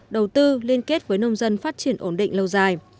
đầu tư liên kết với nông dân phát triển ổn định lâu dài